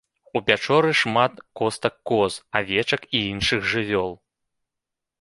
У пячоры шмат костак коз, авечак і іншых жывёл.